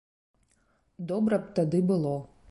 Добра б тады было.